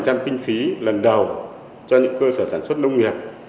hỗ trợ một trăm linh kinh phí lần đầu cho những cơ sở sản xuất nông nghiệp